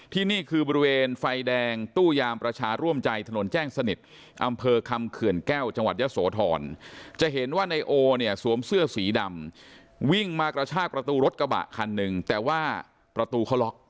ที่นี่คือบริเวณไฟแดงตู้ยามประชาร่วมใจถนนแจ้งสนิทอำเภอคำเขื่อนแก้วจังหวัดยะโสธรจะเห็นว่านายโอเนี่ยสวมเสื้อสีดำวิ่งมากระชากประตูรถกระบะคันหนึ่งแต่ว่าประตูเขาล็อก